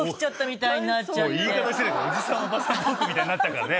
言い方失礼だけどおじさんおばさんトークみたいになっちゃうからね